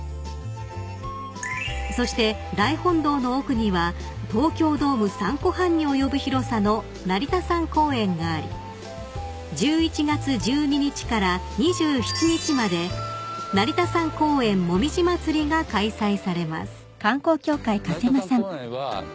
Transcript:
［そして大本堂の奥には東京ドーム３個半に及ぶ広さの成田山公園があり１１月１２日から２７日まで成田山公園紅葉まつりが開催されます］